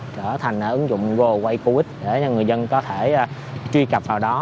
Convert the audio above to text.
trở thành ứng dụng goway covid để người dân có thể truy cập vào đó